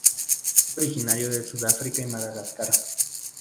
Es originario de Sudáfrica y Madagascar.